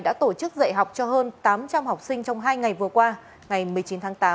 đã tổ chức dạy học cho hơn tám trăm linh học sinh trong hai ngày vừa qua ngày một mươi chín tháng tám